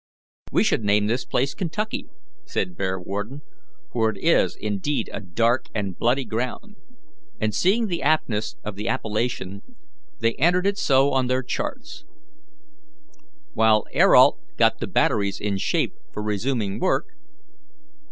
"We should name this place Kentucky," said Bearwarden, "for it is indeed a dark and bloody ground," and, seeing the aptness of the appellation, they entered it so on their charts. While Ayrault got the batteries in shape for resuming work.